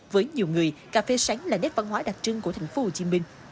với nhiều người cà phê sánh là nét văn hóa đặc trưng của thành phố hồ chí minh